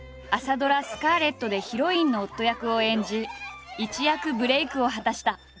ドラ「スカーレット」でヒロインの夫役を演じ一躍ブレークを果たした。